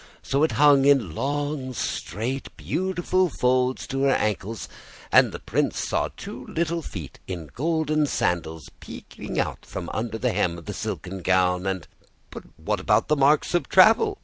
So it hung in long, straight beautiful folds to her ankles, and the Prince saw two little feet in golden sandals peeping out from under the hem of the silken gown, and " "But what about the marks of travel?"